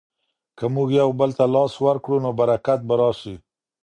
که موږ یو بل ته لاس ورکړو نو برکت به راسي.